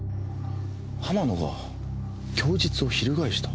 浜野が供述を翻した？